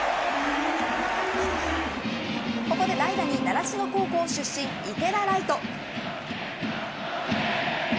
ここで代打に習志野高校出身池田来翔。